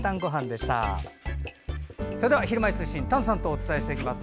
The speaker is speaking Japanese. それでは「ひるまえ通信」丹さんとお伝えします。